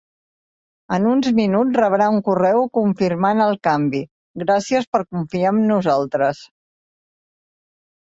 En uns minuts rebrà un correu confirmant el canvi, gràcies per confiar en nosaltres.